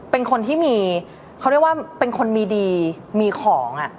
เป็นคนที่มีเขาเรียกว่าเป็นคนมีดีมีของ